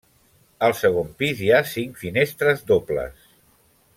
Al segon pis hi ha cinc finestres dobles.